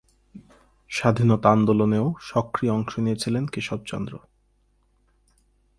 স্বাধীনতা আন্দোলনেও সক্রিয় অংশ নিয়েছিলেন কেশবচন্দ্র।